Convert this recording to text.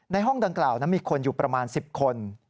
ห้องดังกล่าวนั้นมีคนอยู่ประมาณ๑๐คน